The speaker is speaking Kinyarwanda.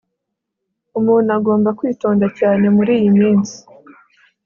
Umuntu agomba kwitonda cyane muriyi minsi